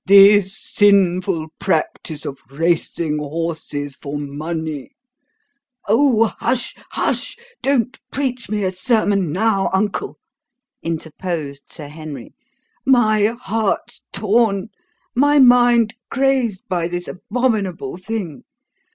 This sinful practice of racing horses for money " "Oh, hush, hush! Don't preach me a sermon now, uncle," interposed Sir Henry. "My heart's torn, my mind crazed by this abominable thing.